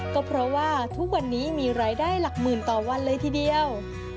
ก็เพราะว่าทุกวันนี้มีรายได้หลักหมื่นต่อวันเลยทีเดียว